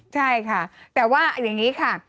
ใช่ค่ะแต่ว่าอย่างนี้ค่ะ